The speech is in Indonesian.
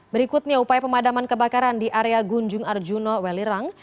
berikutnya upaya pemadaman kebakaran di area gunjung arjuna welirang